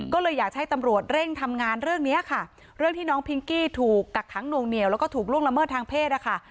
ก็เลยอยากให้ตำรวจเร่งทำงานเรื่องนี้ค่ะเรื่องที่น้องพิงกี้ถูกกักขังหน่วงเหนียวแล้วก็ถูกล่วงละเมิดทางเพศนะคะ